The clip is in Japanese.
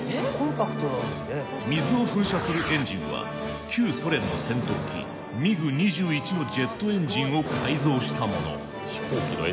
水を噴射するエンジンは旧ソ連の戦闘機「ＭｉＧ２１」のジェットエンジンを改造したもの。